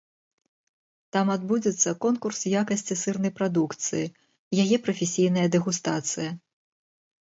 Там адбудзецца конкурс якасці сырнай прадукцыі, яе прафесійная дэгустацыя.